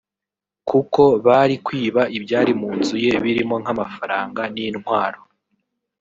kuko bari kwiba ibyari mu nzu ye birimo nk’amafaranga n’intwaro